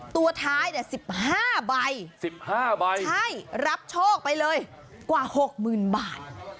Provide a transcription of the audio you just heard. ตัวท้าย๑๕ใบรับโชคไปเลยกว่าหกหมื่นบาท